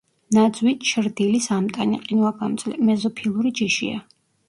ნაძვი ჩრდილის ამტანი, ყინვაგამძლე, მეზოფილური ჯიშია.